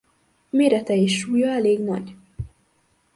Mérete és súlya elég nagy.